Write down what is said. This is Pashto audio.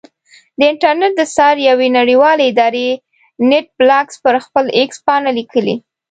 د انټرنېټ د څار یوې نړیوالې ادارې نېټ بلاکس پر خپل ایکس پاڼه لیکلي.